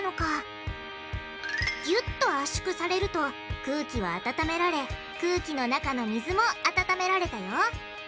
ぎゅっと圧縮されると空気は温められ空気の中の水も温められたよ。